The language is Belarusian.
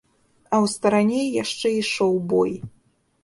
А ў старане яшчэ ішоў бой.